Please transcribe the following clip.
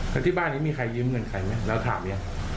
แล้วที่บ้านนี้มีใครยืมเงินใครไหมแล้วถามนะ